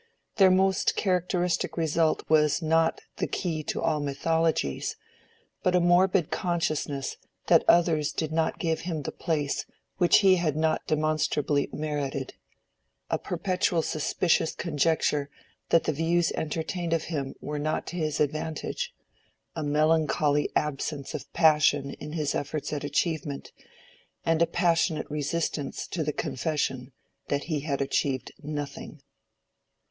Their most characteristic result was not the "Key to all Mythologies," but a morbid consciousness that others did not give him the place which he had not demonstrably merited—a perpetual suspicious conjecture that the views entertained of him were not to his advantage—a melancholy absence of passion in his efforts at achievement, and a passionate resistance to the confession that he had achieved nothing.